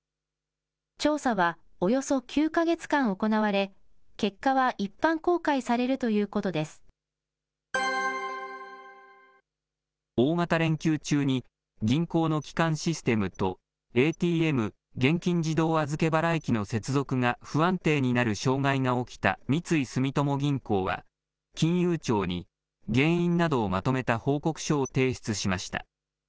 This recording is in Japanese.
調査はおよそ９か月間行われ、結果は一般公開されるということで大型連休中に、銀行の基幹システムとＡＴＭ・現金自動預払機の接続が不安定になる障害が起きた三井住友銀行は、金融庁に原因などをまとめた報告書を提出しました。